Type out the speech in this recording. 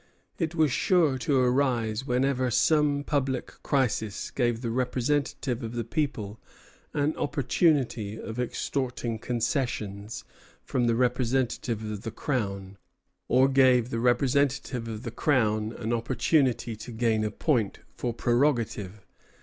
It was sure to arise whenever some public crisis gave the representatives of the people an opportunity of extorting concessions from the representative of the Crown, or gave the representative of the Crown an opportunity to gain a point for prerogative.